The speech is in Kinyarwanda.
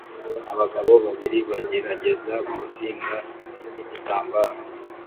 Abagabo babiri bagerageza kuzinga igitambaro